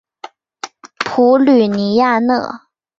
普吕尼亚讷。